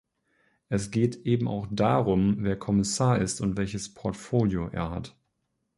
Es geht eben auch darum, wer Kommissar ist und welches Portfolio er hat.